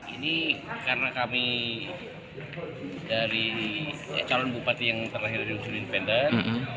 ini karena kami dari calon bupati yang terakhir diusul independen